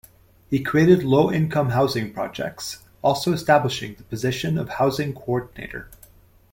He created low-income housing projects, also establishing the position of housing coordinator.